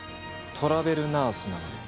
トラベルナースなので。